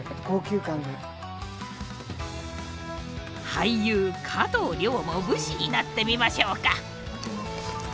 俳優加藤諒も武士になってみましょうか。